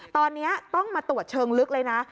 ตอนนี้ต้องมาตรวจเชิงลึกเลยนะ